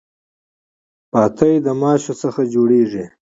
پاتی د ماشو څخه جوړیږي.